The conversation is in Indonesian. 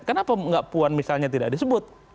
kenapa nggak puan misalnya tidak disebut